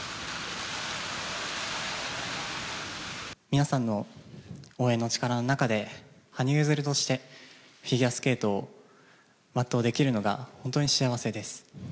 皆さんの応援の力の中で羽生結弦として、フィギュアスケートを全うできるのが本当に幸せです。